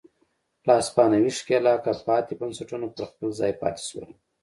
له هسپانوي ښکېلاکه پاتې بنسټونه پر خپل ځای پاتې شول.